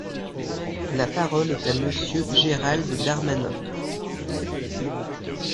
La parole est à Monsieur Gérald Darmanin.